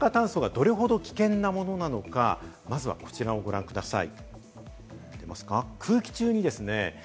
一酸化炭素がどれほど危険なものなのか、まずはこちらをご覧ください。